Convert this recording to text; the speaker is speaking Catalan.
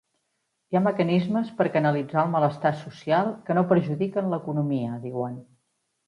Hi ha mecanismes per canalitzar el malestar social que no perjudiquen l’economia, diuen.